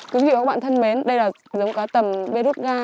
thương hiệu các bạn thân mến đây là giống cá tầm berutga